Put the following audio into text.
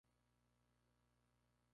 Una versión más fuerte incluye "hash brown".